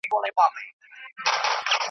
تور او سور زرغون کفن مي جهاني در څخه غواړم .